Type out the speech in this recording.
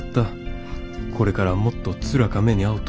これからもっとつらか目にあうと。